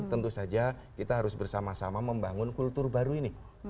tentu saja kita harus bersama sama membangun kultur baru ini